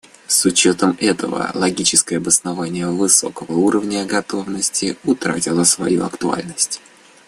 С учетом этого логическое обоснование высокого уровня готовности утратило свою актуальность.